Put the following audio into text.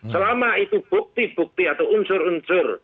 selama itu bukti bukti atau unsur unsur